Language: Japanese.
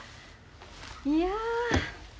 いや。